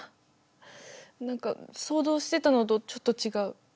何か想像してたのとちょっと違う。